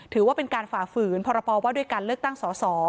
ถือว่าเป็นการฝ่าฝืนพรปว่าด้วยการเลือกตั้งสอสอ